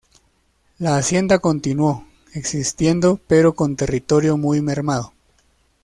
La hacienda continuó existiendo pero con territorio muy mermado.